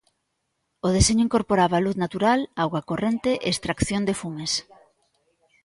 O deseño incorporaba luz natural, auga corrente e extracción de fumes.